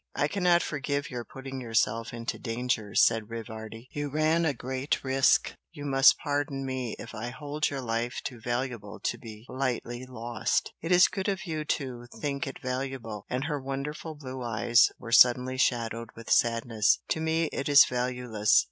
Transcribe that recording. "I cannot forgive your putting yourself into danger," said Rivardi "You ran a great risk you must pardon me if I hold your life too valuable to be lightly lost." "It is good of you to think it valuable," and her wonderful blue eyes were suddenly shadowed with sadness "To me it is valueless."